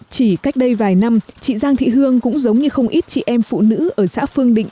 chỉ cách đây vài năm chị giang thị hương cũng giống như không ít chị em phụ nữ ở xã phương định